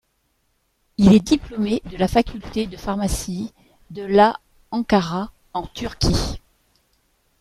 Il est diplômé de la faculté de pharmacie de l' à Ankara, en Turquie.